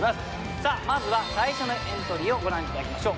さあまずは最初のエントリーをご覧頂きましょう。